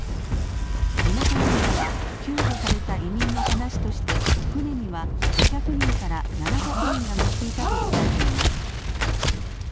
地元メディアは救助された移民の話として船には５００人から７００人が乗っていたと伝えています。